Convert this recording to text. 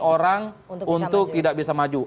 orang untuk tidak bisa maju